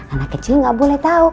anak kecil nggak boleh tahu